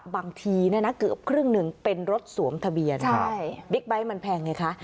บางทีเนี่ยนะเกือบครึ่งหนึ่งเป็นรถสวมทะเบียนบิ๊กไบท์มันแพงไงคะ